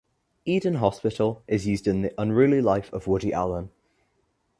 Eden Hospital"" is used in "The Unruly Life of Woody Allen".